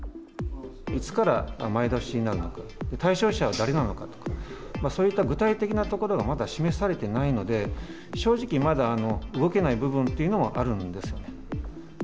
いつから前倒しになるのか、対象者は誰なのかとか、そういった具体的なところがまだ示されていないので、正直、まだ動けない部分というのはあるんですよね。